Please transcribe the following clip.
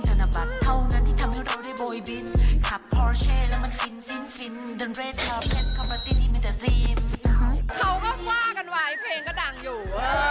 เขาก็ว่ากันไว้เพลงก็ดังอยู่